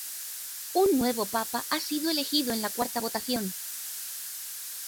Un nuevo papa ha sido elegido en la cuarta votación.